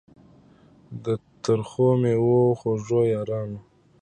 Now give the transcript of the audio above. د ترخو میو خوږو یارانو